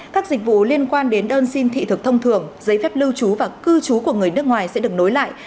các dịch vụ liên quan đến đơn xin thị thực thông thường giấy phép lưu trú và cư trú của người nước ngoài sẽ được nối lại